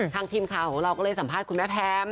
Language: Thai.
ทีมข่าวของเราก็เลยสัมภาษณ์คุณแม่แพม